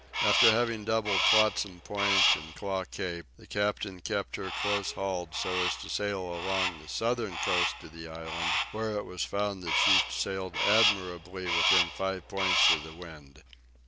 After having doubled Flotsam Point and Claw Cape, the captain kept her close hauled, so as to sail along the southern coast of the island, when it was found she sailed admirably within five points of the wind.